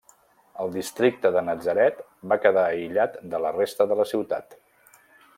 El districte de Natzaret va quedar aïllat de la resta de la ciutat.